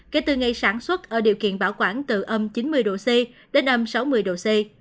kể từ ngày sản xuất ở điều kiện bảo quản từ âm chín mươi độ c đến âm sáu mươi độ c